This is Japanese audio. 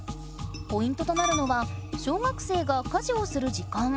ポイントとなるのは「小学生が家事をする時間」。